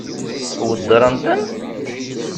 Weddṛent-ten?